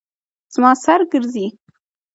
زما سر ګرځي